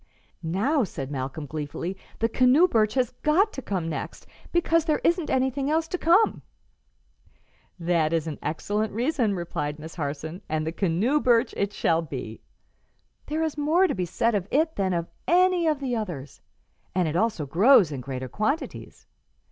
"Now," said Malcolm, gleefully, "the canoe birch has got to come next, because there isn't anything else to come." "That is an excellent reason," replied Miss Harson, "and the canoe birch it shall be. There is more to be said of it than of any of the others, and it also grows in greater quantities.